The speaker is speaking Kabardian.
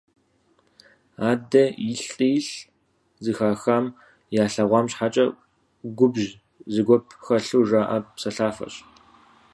«Адэ илӏи-илӏ» - зэхахам, ялъэгъуам щхьэкӀэ губжь, зэгуэп хэлъу жаӀэ псэлъафэщ.